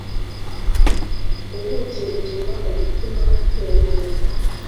ubuki butuma umutima utera neza